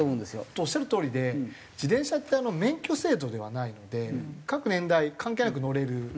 おっしゃるとおりで自転車って免許制度ではないので各年代関係なく乗れる。